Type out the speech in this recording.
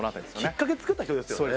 きっかけ作った人ですよね。